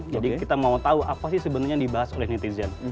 jadi kita mau tahu apa sih sebenarnya yang dibahas oleh netizen